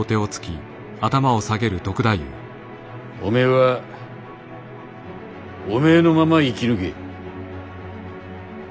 おめえはおめえのまま生き抜け。